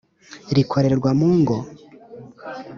rikorerwa mu ngo?